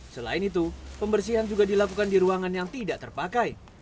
selain itu pembersihan juga dilakukan di ruangan yang tidak terpakai